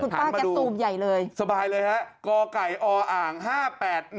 ดีคุณป้าแกสูบใหญ่เลยหันมาดูสบายเลยครับ